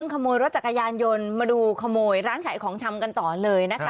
ขโมยรถจักรยานยนต์มาดูขโมยร้านขายของชำกันต่อเลยนะคะ